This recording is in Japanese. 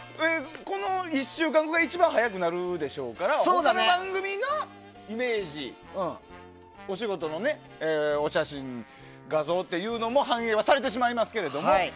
この１週間後が一番早くなるでしょうから他の番組のイメージお仕事のお写真、画像というのも反映されてしまいますけど。